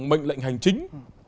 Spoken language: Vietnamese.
mệnh lệnh hành chính